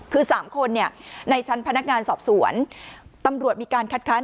คือ๓คนในชั้นพนักงานสอบสวนตำรวจมีการคัดค้าน